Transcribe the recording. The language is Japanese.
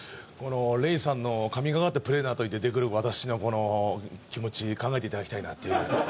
Ｒｅｉさんの神がかったプレーのあとに出てくる私のこの気持ち考えて頂きたいなっていう。